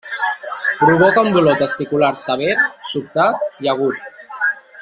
Provoca un dolor testicular sever, sobtat i agut.